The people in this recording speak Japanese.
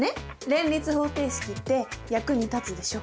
連立方程式って役に立つでしょ？